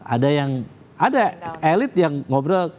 ada yang ada elit yang ngobrol